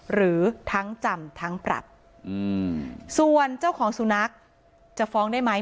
หรือทั้งจำทั้งปรับส่วนเจ้าของสุนัขจะฟ้องได้ไหม